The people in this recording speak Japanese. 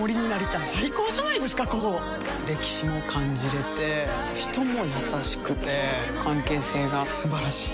歴史も感じれて人も優しくて関係性が素晴らしい。